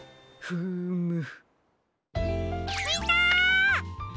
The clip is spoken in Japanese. フーム。